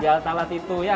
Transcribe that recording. di bawah itu ya